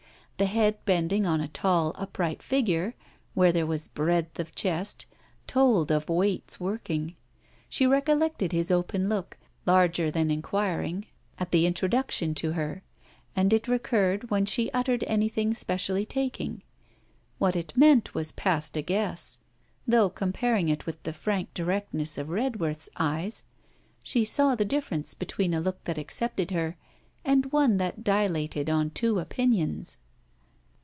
The head bending on a tall upright figure, where there was breadth of chest, told of weights working. She recollected his open look, larger than inquiring, at the introduction to her; and it recurred when she uttered anything specially taking. What it meant was past a guess, though comparing it with the frank directness of Redworth's eyes, she saw the difference between a look that accepted her and one that dilated on two opinions.